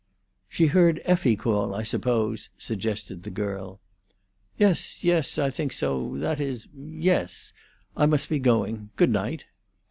"She heard Effie call, I suppose," suggested the girl. "Yes, yes; I think so; that is—yes. I must be going. Good night."